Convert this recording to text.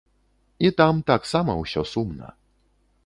І там таксама ўсё сумна.